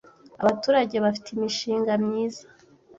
Abaturage bafite imishinga myiza